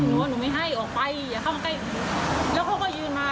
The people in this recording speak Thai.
หนูว่าหนูไม่ให้ออกไปอย่าเข้ามาใกล้แล้วเขาก็ยืนมา